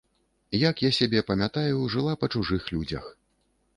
Як я сябе памятаю, жыла па чужых людзях.